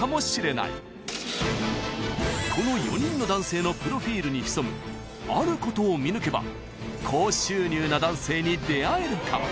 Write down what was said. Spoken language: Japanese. ［この４人の男性のプロフィールに潜むあることを見抜けば高収入な男性に出会えるかも］